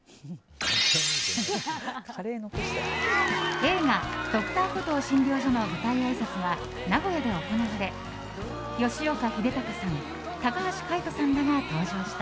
映画「Ｄｒ．コトー診療所」の舞台あいさつが名古屋で行われ吉岡秀隆さん、高橋海人さんらが登場した。